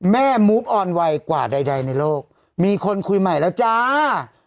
แม่มุฟอ่อนไวกว่าใดในโลกมีคนคุยใหม่แล้วจ้า